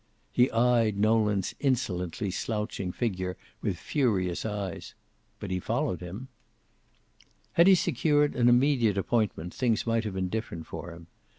He eyed Nolan's insolently slouching figure with furious eyes. But he followed him. Had he secured an immediate appointment things might have been different for him.